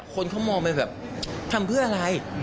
คนเขามองไปแบบทำเพื่ออะไร